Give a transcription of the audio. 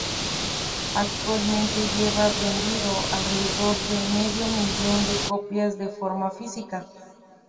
Actualmente lleva vendido alrededor del medio millón de copias de forma física.